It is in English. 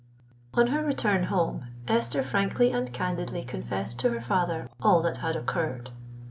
On her return home, Esther frankly and candidly confessed to her father all that had occurred.